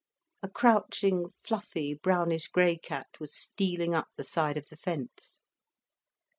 A crouching, fluffy, brownish grey cat was stealing up the side of the fence.